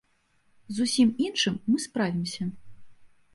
З усім іншым мы справімся.